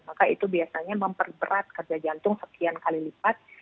maka itu biasanya memperberat kerja jantung sekian kali lipat